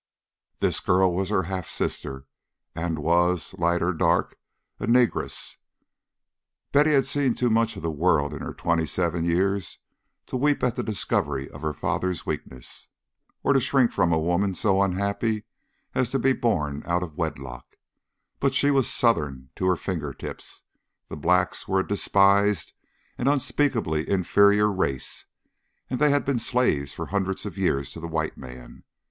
This girl was her half sister, and was, light or dark, a negress. Betty had seen too much of the world in her twenty seven years to weep at the discovery of her father's weakness, or to shrink from a woman so unhappy as to be born out of wedlock; but she was Southern to her finger tips: the blacks were a despised, an unspeakably inferior race, and they had been slaves for hundreds of years to the white man.